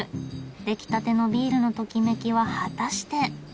出来たてのビールのときめきは果たして。